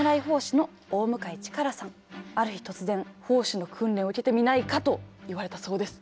ある日突然砲手の訓練を受けてみないかと言われたそうです。